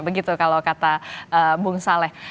begitu kalau kata bung saleh